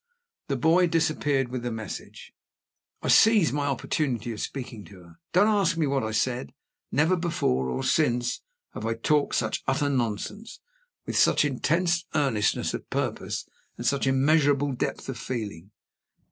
The boy disappeared with the message. I seized my opportunity of speaking to her. Don't ask me what I said! Never before (or since) have I talked such utter nonsense, with such intense earnestness of purpose and such immeasurable depth of feeling.